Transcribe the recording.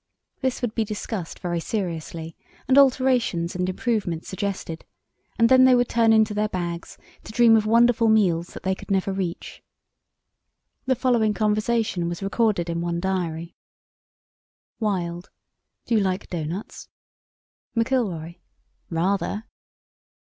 This would be discussed very seriously, and alterations and improvements suggested, and then they would turn into their bags to dream of wonderful meals that they could never reach. The following conversation was recorded in one diary: "WILD: 'Do you like doughnuts?' "McILROY: 'Rather!